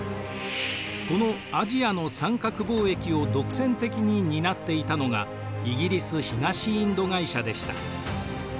このアジアの三角貿易を独占的に担っていたのがイギリス東インド会社でした。